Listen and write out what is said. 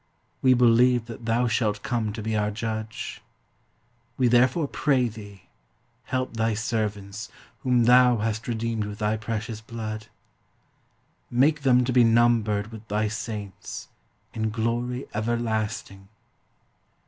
We believe that thou shalt come to be our Judge. We therefore pray thee, help thy servants, whom thou hast redeemed with thy precious blood. Make them to be numbered with thy Saints, in glory everlasting.